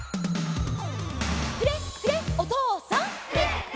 「フレッフレッおとうさん！」